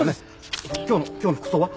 今日の今日の服装は？